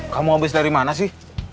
kamu habis dari mana sih